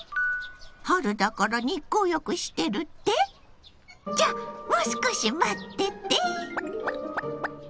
春だから日光浴してるって⁉じゃあもう少し待ってて！